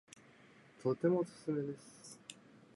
とてもおすすめです